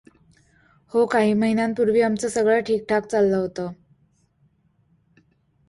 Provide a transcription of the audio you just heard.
हो, काही महिन्यांपूर्वी आमचे सगळे ठीकठाक चाललं होतं.